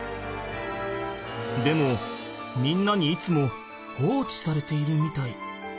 でもみんなにいつも放置されているみたい。